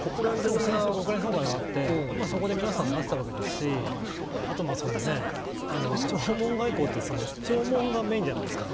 国連総会があってそこで皆さん会ったわけですしあと弔問外交って弔問がメーンじゃないですか。